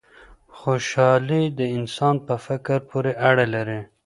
خوشحالي د انسان په فکر پوري اړه لري.